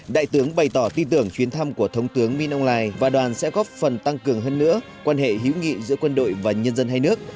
đại tướng bày tỏ tin tưởng chuyến thăm của thống tướng minh âu lài và đoàn sẽ góp phần tăng cường hơn nữa quan hệ hữu nghị giữa quân đội và nhân dân hai nước